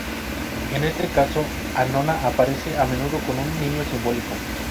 En este caso, Annona aparece a menudo con un niño simbólico.